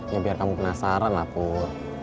ya biar kamu penasaran lah pur